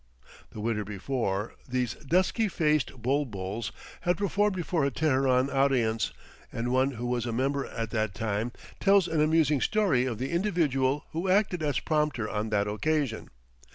The winter before, these dusky faced "bul buls" had performed before a Teheran audience, and one who was a member at that time tells an amusing story of the individual who acted as prompter on that occasion.